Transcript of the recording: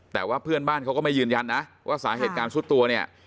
แต่ว่าเพื่อนบ้านเขาก็ไม่ยืนยันนะว่าสาเหตุการณ์สุดตัวเนี่ย